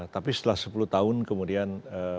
tapi setelah sepuluh tahun kemudian